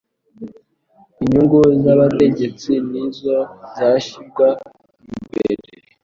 Inyungu z'abategetsi ni zo zashyirwaga imbere